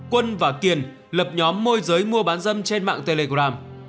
quân và kiên lập nhóm môi giới mua bán dâm trên mạng telegram